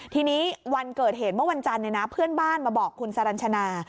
ทีนี้วันเกิดเหตุเมื่อวันจันทร์เพื่อนบ้านมาบอกคุณสรรชนา